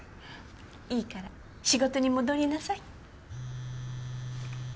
いいから仕事に戻りなさい。